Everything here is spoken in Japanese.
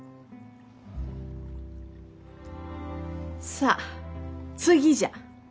さあ次じゃ。